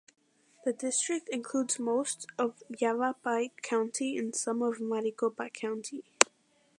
The district includes most of Yavapai County and some of Maricopa County.